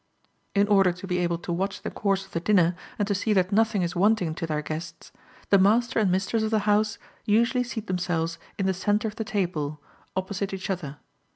In order to be able to watch the course of the dinner, and to see that nothing is wanting to their guests, the master and mistress of the house usually seat themselves in the centre of the table, opposite each other.